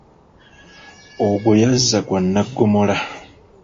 Ogwo yazza gwa Nnaggomola.